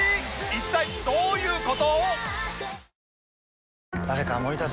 一体どういう事？